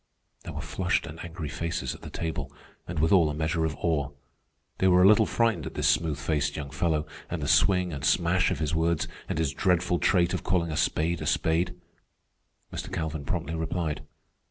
There were flushed and angry faces at the table, and withal a measure of awe. They were a little frightened at this smooth faced young fellow, and the swing and smash of his words, and his dreadful trait of calling a spade a spade. Mr. Calvin promptly replied.